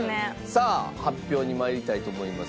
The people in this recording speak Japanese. さあ発表に参りたいと思います。